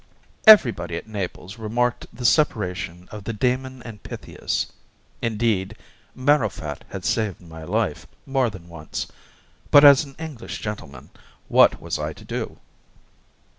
Everybody at Naples remarked the separation of the Damon and Pythias indeed, Marrowfat had saved my life more than once but, as an English gentleman, what was I to do?